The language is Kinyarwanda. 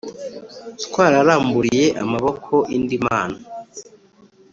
twararamburiye amaboko indi mana